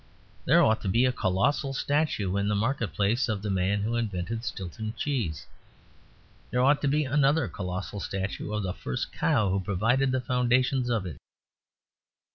There ought to be a colossal statue in the market place of the man who invented Stilton cheese. There ought to be another colossal statue of the first cow who provided the foundations of it.